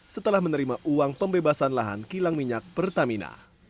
setelah menerima uang pembebasan lahan kilang minyak pertamina